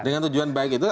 dengan tujuan baik itu